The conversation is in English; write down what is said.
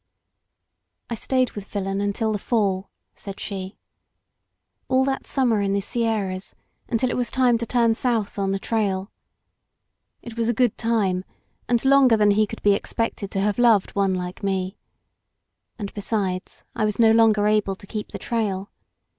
I stayed with Filon until the fall," said she. A11 that summer in the Sierras, until it was time to turn south on the trail. It was a good time, and longer than he could be expected to have lov^d one like me. And besides, I ww 90f LOST BORDERS no longer able to keep the trail.